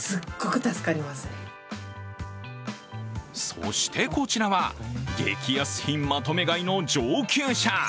そしてこちらは激安品まとめ買いの上級者。